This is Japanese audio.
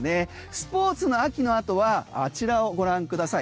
スポーツの秋のあとはあちらをご覧ください。